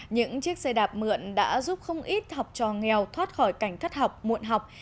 những chiếc xe đạp mượn đã giúp không ít học trò nghèo thoát khỏi cảnh thất học muộn học